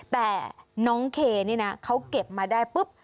แต่น้องเคนี่นะเขาเก็บมาได้ปุ๊บ